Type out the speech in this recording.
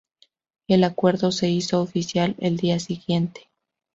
El acuerdo se hizo oficial el día siguiente.